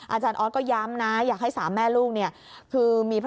อาจารย์ออสก็ย้ำนะอยากให้สามแม่ลูกเนี่ย